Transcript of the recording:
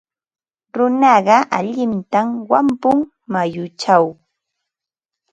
Runaqa allintam wampun mayuchaw.